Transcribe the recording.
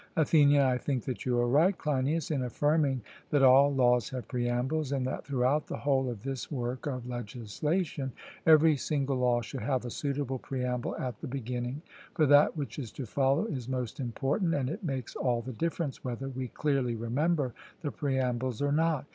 ATHENIAN: I think that you are right, Cleinias, in affirming that all laws have preambles, and that throughout the whole of this work of legislation every single law should have a suitable preamble at the beginning; for that which is to follow is most important, and it makes all the difference whether we clearly remember the preambles or not.